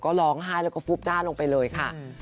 ก็ร้องไห้แล้วก็ฟุบหน้าลงไปเลยค่ะ